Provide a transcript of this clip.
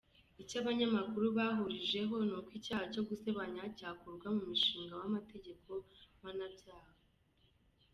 Icyo abanyamakuru bahurijeho ni uko icyaha cyo gusebanya cyakurwa mu mushinga w’amategeko mpanabyaha.